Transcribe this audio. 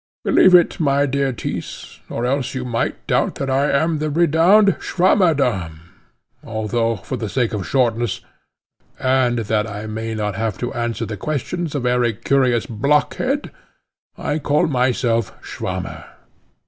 Believe it, my dear Mr. Tyss, or else you might doubt that I am the renowned Swammerdamm, although, for the sake of shortness and that I may not have to answer the questions of every curious blockhead, I call myself Swammer.